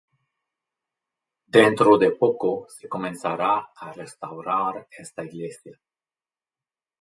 Dentro de poco se comenzará a restaurar esta iglesia.